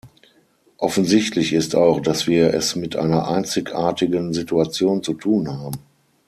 Offensichtlich ist auch, dass wir es mit einer einzigartigen Situation zu tun haben.